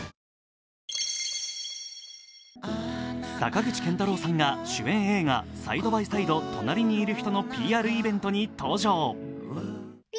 坂口健太郎さんが主演映画「サイドバイサイド隣にいる人」のＰＲイベントに登場。